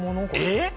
えっ！？